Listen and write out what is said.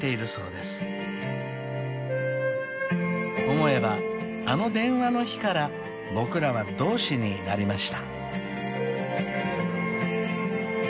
［思えばあの電話の日から僕らは同志になりました］